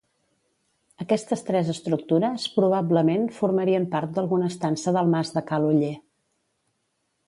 Aquestes tres estructures, probablement, formarien part d'alguna estança del mas de Ca l'Oller.